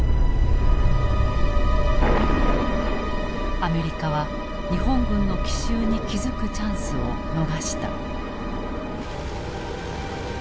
アメリカは日本軍の奇襲に気付くチャンスを逃した。